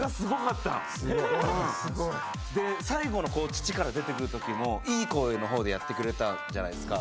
で最後の土から出てくる時もいい声の方でやってくれたじゃないですか。